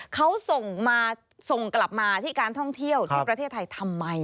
เขาส่งมาส่งกลับมาที่การท่องเที่ยวที่ประเทศไทยทำไม